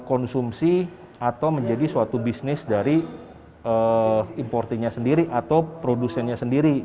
konsumsi atau menjadi suatu bisnis dari importnya sendiri atau produsennya sendiri